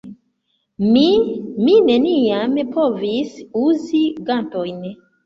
Mi, mi neniam povis uzi gantojn.